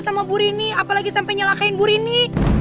sama bu rini apalagi sampe nyalahkan bu rini